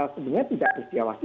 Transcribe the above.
sebenarnya tidak disiawasi